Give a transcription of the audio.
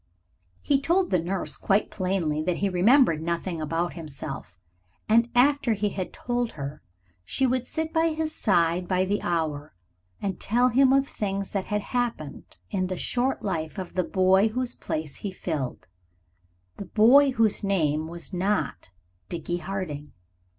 He told the nurse quite plainly that he remembered nothing about himself, and after he had told her she would sit by his side by the hour and tell him of things that had happened in the short life of the boy whose place he filled, the boy whose name was not Dickie Harding.